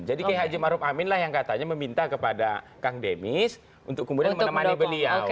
jadi k h ma'arub amin lah yang katanya meminta kepada kang demis untuk kemudian menemani beliau